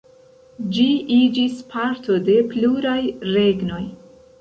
Ĝi iĝis parto de pluraj regnoj.